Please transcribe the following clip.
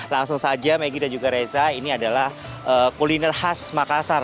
langsung saja megi dan juga reza ini adalah kuliner khas makassar